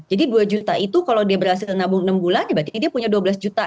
jadi dua juta itu kalau dia berhasil menabung enam bulan berarti dia punya dua belas juta